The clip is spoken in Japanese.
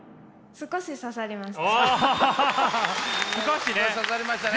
少し刺さりましたね。